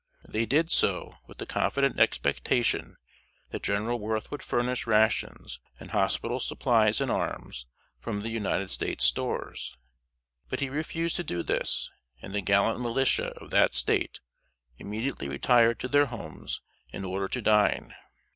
They did so with the confident expectation that General Worth would furnish rations and hospital supplies and arms from the United States stores. But he refused to do this, and the gallant militia of that State immediately retired to their homes in order to dine.